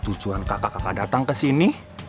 tujuan kakak kakak datang kesini